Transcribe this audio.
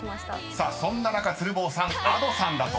［さあそんな中鶴房さんＡｄｏさんだと］